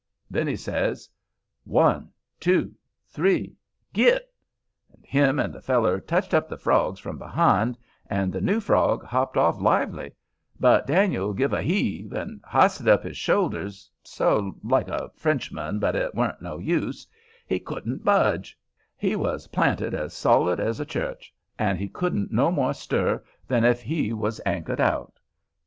Then he says, "One—two—three—git!" and him and the feller touched up the frogs from behind, and the new frog hopped off lively, but Dan'l give a heave, and hysted up his shoulders—so—like a Frenchman, but it warn't no use—he couldn't budge; he was planted as solid as a church, and he couldn't no more stir than if he was anchored out.